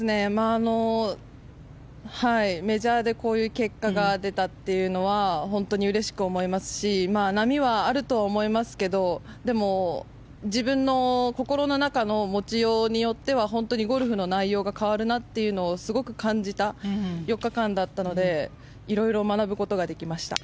メジャーでこういう結果が出たというのは本当にうれしく思いますし波はあるとは思いますけどでも、自分の心の中の持ちようによっては本当にゴルフの内容が変わるなというのをすごく感じた４日間だったので色々学ぶことができました。